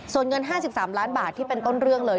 ส่วนเงิน๕๓ล้านบาทที่เป็นต้นเรื่องเลย